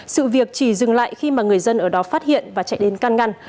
sự việc chỉ dừng lại khi mà người dân ở đó phát hiện và chạy đến can ngăn